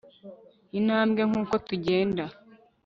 intambwe ... nkuko tugenda